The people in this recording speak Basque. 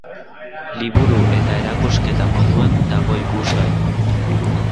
Liburu eta erakusketa moduan dago ikusgai.